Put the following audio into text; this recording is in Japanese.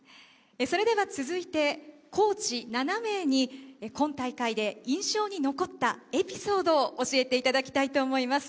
続いて、コーチ７名に、今大会で印象に残ったエピソードを教えていただきたいと思います。